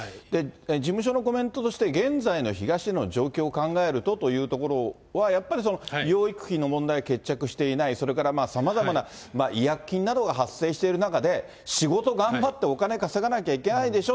事務所のコメントとして、現在の東出の状況を考えるとというところは、やっぱり養育費の問題、決着していない、それからさまざまな違約金などが発生している中で、仕事頑張って、お金稼がなきゃいけないでしょ。